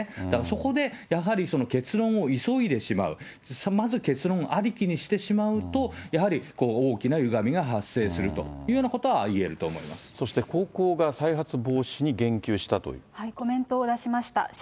だから、そこでやはり結論を急いでしまう、まず結論ありきにしてしまうと、やはり大きなゆがみが発生するというようなことはいえると思いまそして高校が再発防止に言及コメントを出しました。